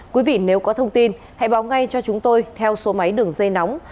quý vị nếu có thông tin hãy báo ngay cho chúng tôi theo số máy đường dây nóng